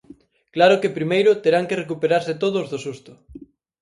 Claro que primeiro terán que recuperarse todos do susto.